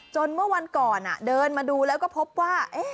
เมื่อวันก่อนเดินมาดูแล้วก็พบว่า